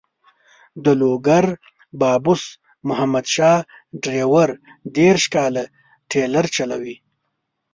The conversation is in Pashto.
د لوګر بابوس محمد شاه ډریور دېرش کاله ټریلر چلوي.